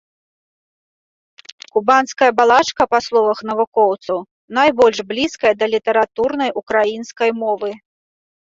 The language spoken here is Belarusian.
Кубанская балачка, па словах навукоўцаў, найбольш блізкая да літаратурнай украінскай мовы.